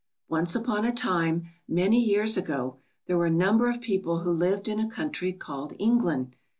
"Once upon a time, many years ago, there were a number of people who lived in a coun try called England.